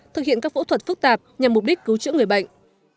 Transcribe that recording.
thực hiện các phẫu thuật phức tạp nhằm mục đích cứu chữa người bệnh